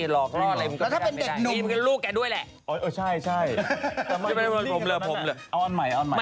รอกรอบอะไรมันก็ไม่ได้